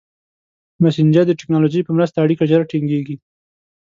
مسېنجر د ټکنالوژۍ په مرسته اړیکه ژر ټینګېږي.